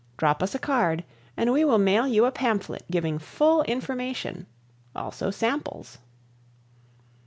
Drop us a card and we will mail you pamphlet giving full information, also samples.